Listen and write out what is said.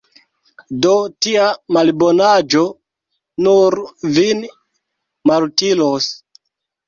Do tia malbonaĵo nur vin malutilos.